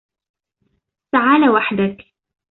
تعالَ وحدك.